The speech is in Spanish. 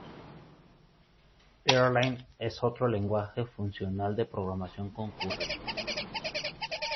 Erlang es otro lenguaje funcional de programación concurrente.